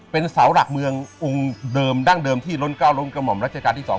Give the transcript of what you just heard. เป็นเสาหลักเมืององค์เดิมดั้งเดิมที่ล้นก้าวล้นกระห่อมรัชกาลที่๒